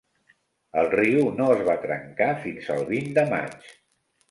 El riu no es va trencar fins al vint de maig.